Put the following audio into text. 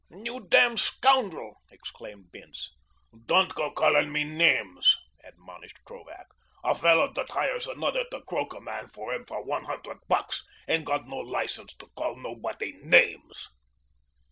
"You damn scoundrel!" exclaimed Bince. "Don't go callin' me names," admonished Krovac. "A fellow that hires another to croak a man for him for one hundred bucks ain't got no license to call nobody names."